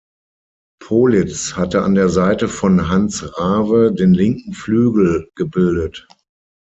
Politz hatte an der Seite von Hans Rave den linken Flügel gebildet.